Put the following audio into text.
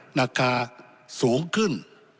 หนักกาสูงขึ้น